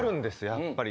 やっぱり。